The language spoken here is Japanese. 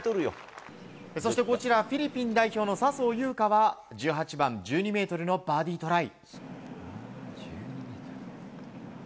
そして、フィリピン代表の笹生優花は１８番１２ｍのバーディートライ。